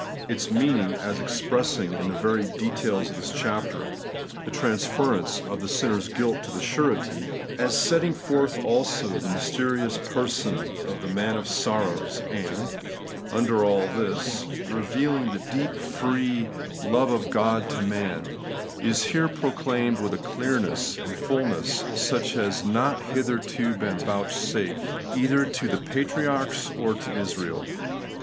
Its meaning, as expressing (in the varied details of this chapter) the transference of the sinner's guilt to the Surety ; as setting forth also the mysterious person of the Man of sorrows, and, under all this, revealing the deep free Tlie Declaration of the Completeness. 47 love of God to man, — \b here proclaimed with a clearness and fulness such as had not hitherto been vouchsafed either to the patriarchs or to Israel.